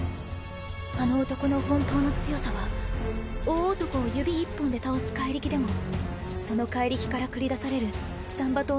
あの男の本当の強さは大男を指一本で倒す怪力でもその怪力から繰り出される斬馬刀の剣撃でもない。